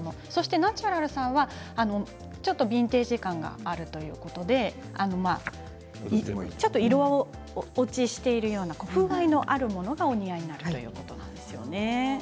ナチュラルさんはビンテージ感があるということで色落ちしているような風合いのあるものがお似合いになるということです。